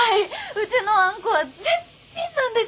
うちのあんこは絶品なんです。